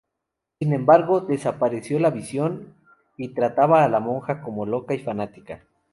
Sin embargo, despreció la visión y trataba a la monja como loca y fanática.